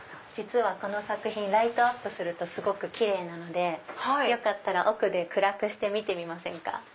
この作品ライトアップするとすごくキレイなのでよかったら奥で暗くして見てみませんか？